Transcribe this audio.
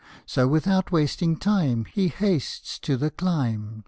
So without wasting time He hastes to the climb.